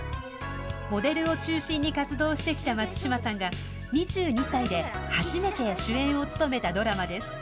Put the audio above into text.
モデルを中心に活動してきた松嶋さんが２２歳で初めて主演を務めたドラマです。